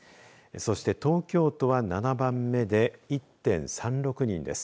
そして、東京都は７番目で１．３６人です。